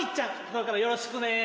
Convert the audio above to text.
これからよろしくね